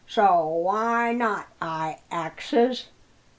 so why not? I axes."